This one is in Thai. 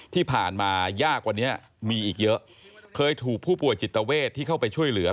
ที่ผ่านมายากกว่านี้มีอีกเยอะเคยถูกผู้ป่วยจิตเวทที่เข้าไปช่วยเหลือ